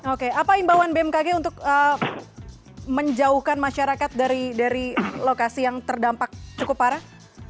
oke apa imbauan bmkg untuk menjauhkan masyarakat dari lokasi yang terdampak cukup parah